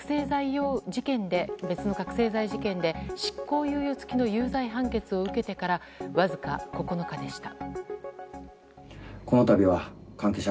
別の覚醒剤事件で執行猶予付きの有罪判決を受けてからわずか９日でした。